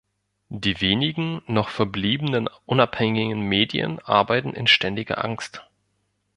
Die wenigen noch verbliebenen unabhängigen Medien arbeiten in ständiger Angst.